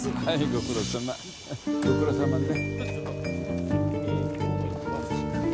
ご苦労さまね。